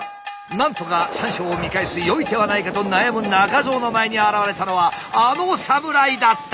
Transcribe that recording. なんとか三笑を見返すよい手はないかと悩む中蔵の前に現れたのはあの侍だった！